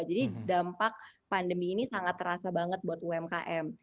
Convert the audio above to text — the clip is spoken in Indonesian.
jadi dampak pandemi ini sangat terasa banget buat umkm